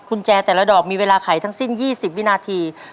คุณแจแต่ละดอกมีเวลาไขทั้งสิ้น๒๐วินาที